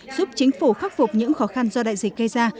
giúp chính phủ khắc phục những khó khăn do đại dịch gây ra